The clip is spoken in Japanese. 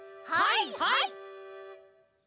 はいはい！